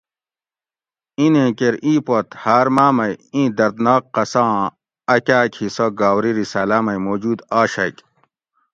اِیں نیں کیر ای پوت ہاۤر ماۤ مئ اِیں درد ناک قصہ آں اۤکاۤک حصہ گاؤری رساۤلاۤ مئ موجود اۤشگ